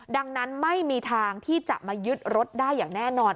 ดังนั้นไม่มีทางที่จะมายึดรถได้อย่างแน่นอน